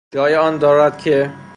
جای آن دارد که...